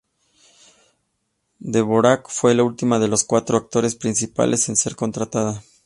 Dvorak fue la última de los cuatro actores principales en ser contratada.